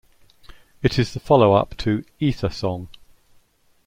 It is the follow-up to "Ether Song".